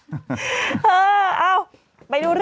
ไม่เคยเห็นไม่อ่านไง